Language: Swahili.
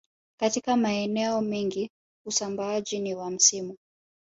Katika maeneo mengi usambaaji ni wa msimu